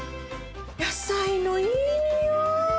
野菜のいいにおい！